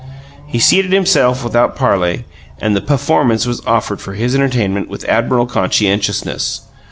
He seated himself without parley, and the pufformance was offered for his entertainment with admirable conscientiousness.